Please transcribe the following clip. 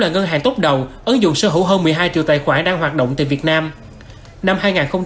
là ngân hàng tốt đầu ấn dụng sở hữu hơn một mươi hai triệu tài khoản đang hoạt động tại việt nam năm hai nghìn hai mươi bốn